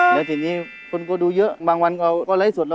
แล้วทีนี้คนก็ดูเยอะบางวันก็ไลฟ์สด